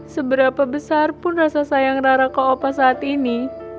seberapa besar pun rasa sayang rara koopa saat ini